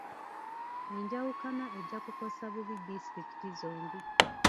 Enjawukana ejja kukosa bubi disitulikiti zombi.